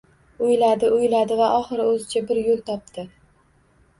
Oʻyladi, oʻyladi va oxiri oʻzicha bir yoʻl topdi